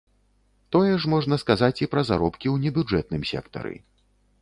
Тое ж можна сказаць і пра заробкі ў небюджэтным сектары.